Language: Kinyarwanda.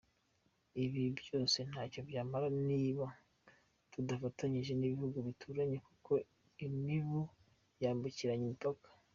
Ibi byose ntacyo byamara niba tudafatanyije n’ibihugu duturanye kuko imibu yambukiranya imipaka”.